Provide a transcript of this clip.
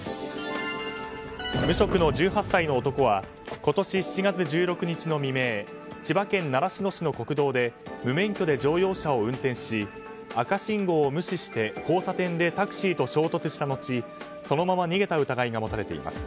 無職の１８歳の男は今年の７月１６日の未明千葉県習志野市の国道で無免許で乗用車を運転し赤信号を無視して、交差点でタクシーと衝突した後そのまま逃げた疑いが持たれています。